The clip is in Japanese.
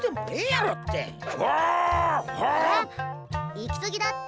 行き過ぎだって。